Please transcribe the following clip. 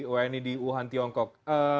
wni di wuhan tiongkok